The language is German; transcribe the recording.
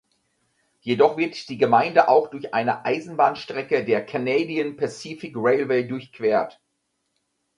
Jedoch wird die Gemeinde auch durch eine Eisenbahnstrecke der Canadian Pacific Railway durchquert.